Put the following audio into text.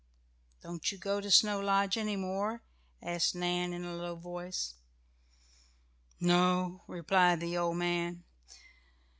"Don't you go to Snow Lodge any more?" asked Nan in a low voice. "No," replied the old man.